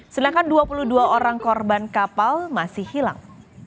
sedangkan dua puluh dua orang korban kapal masih hilang